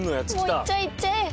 もう行っちゃえ行っちゃえ。